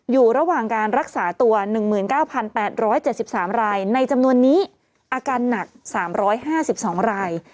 อยู่ระหว่างการรักษาตัว๑๙๘๗๓รายในจำนวนนี้อาการหนัก๓๕๒ราย